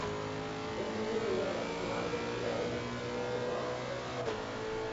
Estudió Bellas Artes en la Universidad de Minnesota antes de marcharse a París.